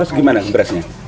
beras gimana berasnya